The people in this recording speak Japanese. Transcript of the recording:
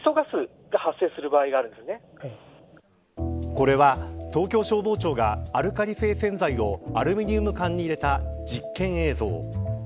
これは、東京消防庁がアルカリ性洗剤をアルミニウム缶に入れた実験映像。